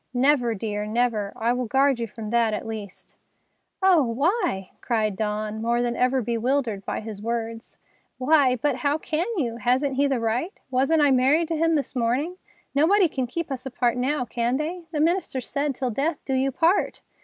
"Never, dear, never. I will guard you from that, at least." "Oh, why!" cried Dawn, more than ever bewildered by his words. "Why—but, how can you? Hasn't he the right? Wasn't I married to him this morning? Nobody can keep us apart now, can they? The minister said, 'Till death do you part!